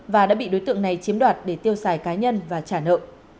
và đã bị đối tượng này chiếm đoạt để tiêu xài cá nhân và trả nợ